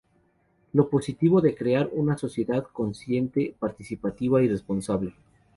Lo positivo crear una sociedad consciente, participativa y responsable.